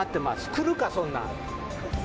来るか、そんなん！